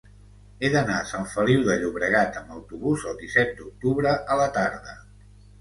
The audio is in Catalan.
He d'anar a Sant Feliu de Llobregat amb autobús el disset d'octubre a la tarda.